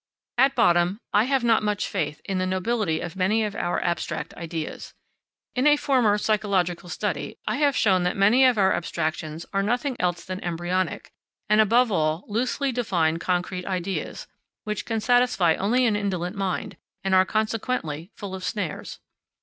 At bottom I have not much faith in the nobility of many of our abstract ideas. In a former psychological study I have shown that many of our abstractions are nothing else than embryonic, and, above all, loosely defined concrete ideas, which can satisfy only an indolent mind, and are, consequently, full of snares.